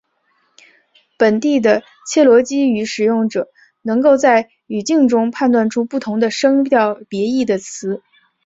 本地的切罗基语使用者能够在语境中判断出不同的声调别义的词。